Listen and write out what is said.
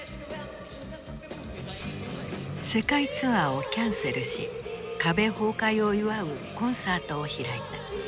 世界ツアーをキャンセルし壁崩壊を祝うコンサートを開いた。